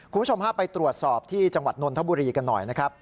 คุณผู้ชมฮะไปตรวจสอบที่จังหวัดนนทบุรีกันหน่อยนะครับ